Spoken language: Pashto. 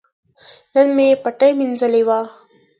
نن مې پټی مینځلي وو.